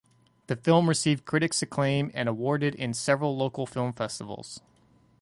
The film received critics acclaim and awarded in several local film festivals.